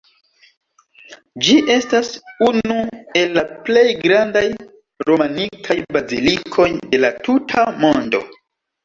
Ĝi estas unu el la plej grandaj romanikaj bazilikoj de la tuta mondo.